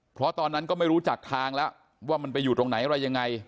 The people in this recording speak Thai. เพราะตอนนั้นก็ไม่รู้จักทางแล้วว่ามันไปอยู่ตรงไหนอะไรยังไง